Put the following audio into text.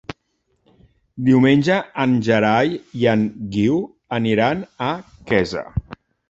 Diumenge en Gerai i en Guiu aniran a Quesa.